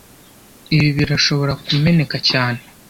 Ibi birashobora kumeneka cyane